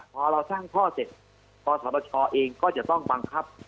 พอเราสร้างข้อเสร็จกศชเองก็จะต้องบังคับ